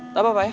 gak apa apa ya